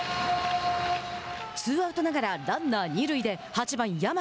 ツーアウトながらランナー二塁で８番大和。